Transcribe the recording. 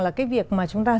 là cái việc mà chúng ta